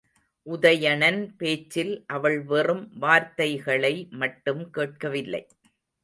உதயணன் பேச்சில் அவள் வெறும் வார்த்தைகளை மட்டும் கேட்கவில்லை.